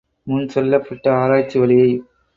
முன் சொல்லப்பட்ட ஆராய்ச்சி வழியைப்